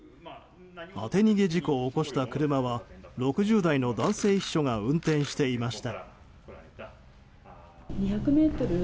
当て逃げ事故を起こした車は６０代の男性秘書が運転していました。